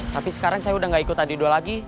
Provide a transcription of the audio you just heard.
tapi sekarang saya udah gak ikut adidu lagi